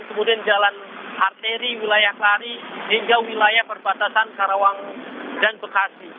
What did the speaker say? kemudian jalan arteri wilayah sari hingga wilayah perbatasan karawang dan bekasi